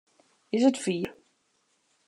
Is it fier?